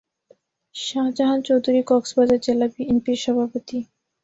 শাহজাহান চৌধুরী কক্সবাজার জেলা বিএনপির সভাপতি।